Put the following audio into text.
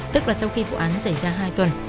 tức là sau khi vụ án xảy ra hai tuần